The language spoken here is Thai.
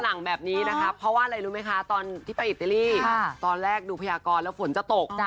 หลังแบบนี้นะคะเพราะว่าอะไรรู้ไหมคะตอนที่ไปอิตาลีตอนแรกดูพยากรแล้วฝนจะตก